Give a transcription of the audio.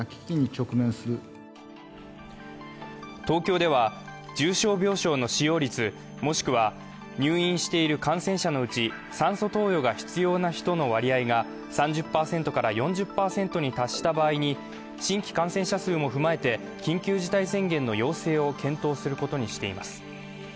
東京では重症病床の使用率、もしくは入院している感染者のうち酸素投与が必要な人の割合が３０％から４０％に達した場合に新規感染者数も踏まえて緊急事態宣言の要請を検討することにしています。